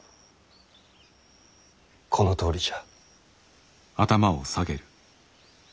このとおりじゃ。